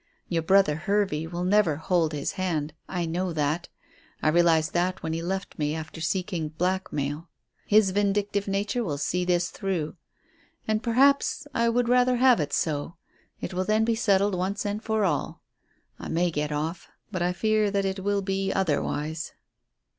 Your brother Hervey will never hold his hand. I know that. I realized that when he left me after seeking 'blackmail.' His vindictive nature will see this through. And perhaps I would rather have it so. It will then be settled once and for all. I may get off, but I fear that it will be otherwise."